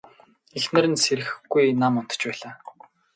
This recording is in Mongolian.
Эхнэр нь сэрэхгүй нам унтаж байлаа.